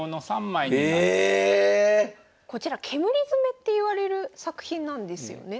こちら煙詰っていわれる作品なんですよね。